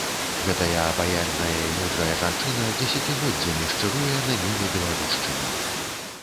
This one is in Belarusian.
Гэтая абаяльная і мудрая жанчына дзесяцігоддзямі шчыруе на ніве беларушчыны.